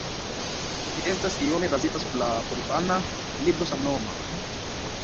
Ĝi estas iome bazita sur la porinfana libro samnoma.